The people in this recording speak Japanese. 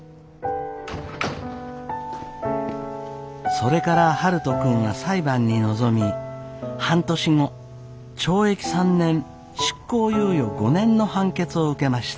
それから悠人君は裁判に臨み半年後懲役３年執行猶予５年の判決を受けました。